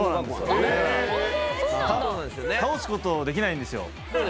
だから倒すことできないんですよ